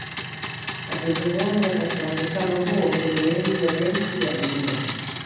Akizungumza katika mkutano huo mkurugenzi wa benki ya dunia